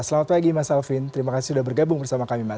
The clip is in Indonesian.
selamat pagi mas alvin terima kasih sudah bergabung bersama kami mas